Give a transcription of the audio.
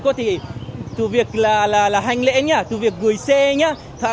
có thể từ việc là hành lễ nhả từ việc gửi xe nhé